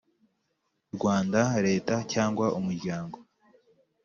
Rwanda Leta cyangwa umuryango